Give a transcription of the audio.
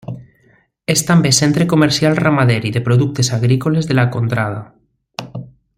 És també centre comercial ramader i de productes agrícoles de la contrada.